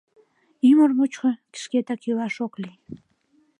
Ӱмыр мучко шкетак илаш ок лий...